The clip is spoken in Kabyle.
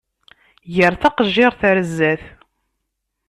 Ger taqejjiṛt ar zdat!